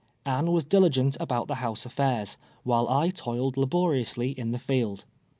Anne was diligent about the house affairs, while I toiled laboriously in the field.